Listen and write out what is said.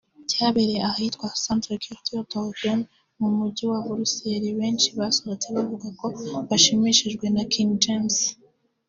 cyabereye ahitwa Centre Culturel d’Auderghem mu mujyi wa Buruseli benshi basohotse bavuga ko bashimishijwe na King James